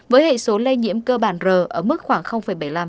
với hệ số lây nhiễm cơ bản r ở mức khoảng bảy mươi năm